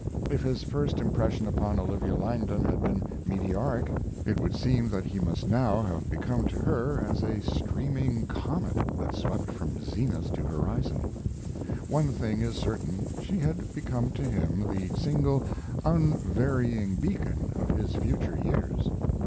If his first impression upon Olivia Langdon had been meteoric, it would seem that he must now have become to her as a streaming comet that swept from zenith to horizon. One thing is certain: she had become to him the single, unvarying beacon of his future years.